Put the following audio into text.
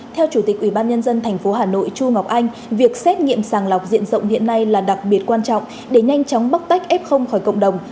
theo chủ tịch ubnd tp hà nội chu ngọc anh việc xét nghiệm sàng lọc diện rộng hiện nay là đặc biệt quan trọng để nhanh chóng bóc tách f khỏi cộng đồng